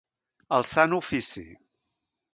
El sant ofici.